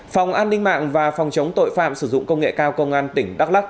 phòng an ninh mạng và phòng chống tội phạm sử dụng công nghệ cao công an tỉnh đắk lắc